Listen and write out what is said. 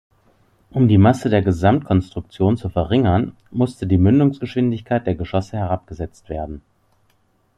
Um die Masse der Gesamtkonstruktion zu verringern, musste die Mündungsgeschwindigkeit der Geschosse herabgesetzt werden.